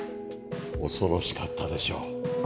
恐ろしかったでしょう。